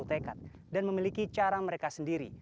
mereka bersepakat dan memiliki cara mereka sendiri